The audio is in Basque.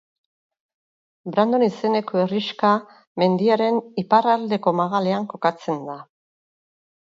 Brandon izeneko herrixka mendiaren iparraldeko magalean kokatzen da.